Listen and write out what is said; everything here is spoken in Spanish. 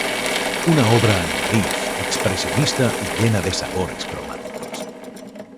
Una obra naïf expresionista y llena de sabores cromáticos.